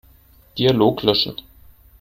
Dialog löschen.